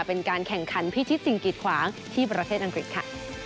เป็นการแข่งขันพิชิตสิ่งกีดขวางที่ประเทศอังกฤษค่ะ